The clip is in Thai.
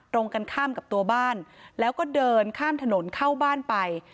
ตรงกันข้ามกับตัวบ้านแล้วก็เดินข้ามถนนเข้าบ้านไป